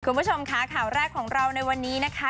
คุณผู้ชมค่ะข่าวแรกของเราในวันนี้นะคะ